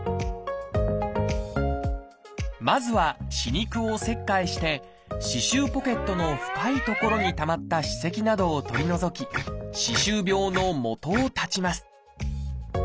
まずは歯肉を切開して歯周ポケットの深い所にたまった歯石などを取り除き歯周病のもとを断ちます。